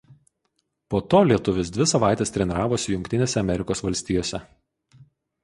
Po to lietuvis dvi savaites treniravosi Jungtinėse Amerikos Valstijose.